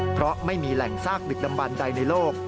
เพราะไม่มีแหล่งซากดึกดำบันใดในโลก